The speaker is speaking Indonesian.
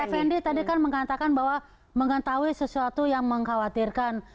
fnd tadi kan mengatakan bahwa mengetahui sesuatu yang mengkhawatirkan